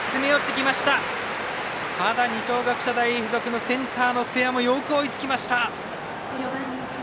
ただ二松学舎大付属のセンターの瀬谷もよく追いつきました。